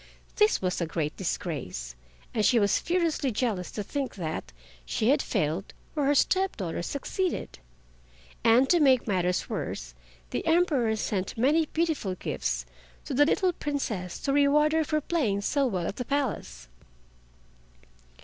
This was a great disgrace, and she was furiously jealous to think that she had failed where her step daughter succeeded; and to make matters worse the Emperor sent many beautiful gifts to the little Princess to reward her for playing so well at the Palace.